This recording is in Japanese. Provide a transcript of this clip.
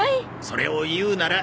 それを言うなら。